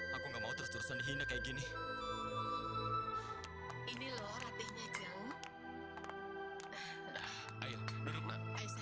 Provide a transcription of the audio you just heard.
sebentar lagi kamu akan menikah dengan prayuga